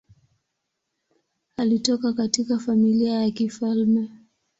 Alitoka katika familia ya kifalme.